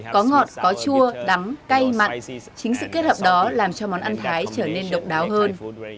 có ngọt có chua đắm cay mặn chính sự kết hợp đó làm cho món ăn thái trở nên độc đáo hơn